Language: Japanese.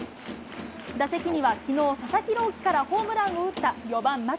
打席には、きのう、佐々木朗希からホームランを打った４番牧。